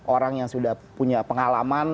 orang yang sudah punya pengalaman